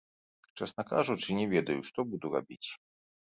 Чэсна кажучы, не ведаю, што буду рабіць.